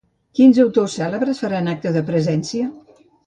Quins autors cèlebres faran acte de presència?